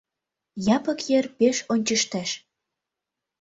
Япык йыр пеш ончыштеш.